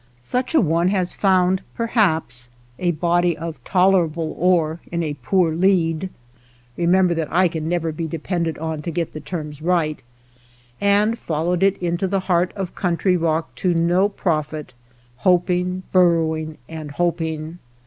Suefra ewe has found, perhaps, a body of tolerable ore in a poor lead, — remember that I can never be depended on to get the terms right, — and followed it into the heart of country rock to no profit, hoping, bur rowing, and hoping.